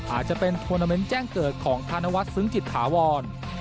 อาจจะเป็นทวนาเมนต์แจ้งเกิดของธนวัฒนซึ้งจิตถาวร